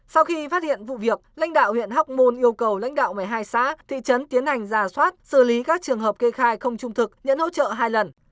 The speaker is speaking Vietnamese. sau khi phát hiện vụ việc lãnh đạo huyện hóc môn yêu cầu lãnh đạo một mươi hai xã thị trấn tiến hành giả soát xử lý các trường hợp kê khai không trung thực nhận hỗ trợ hai lần